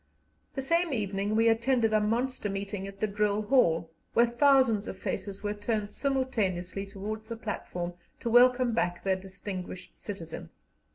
The same evening we attended a monster meeting at the Drill Hall, where thousands of faces were turned simultaneously towards the platform to welcome back their distinguished citizen.